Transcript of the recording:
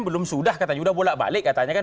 belum sudah katanya sudah bolak balik katanya kan